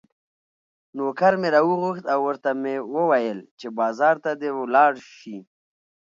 نوکر مې راوغوښت او ورته مې وویل چې بازار ته دې ولاړ شي.